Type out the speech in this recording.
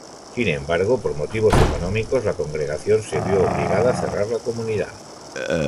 Sin embargo, por motivos económicos, la congregación se vio obligada a cerrar la comunidad.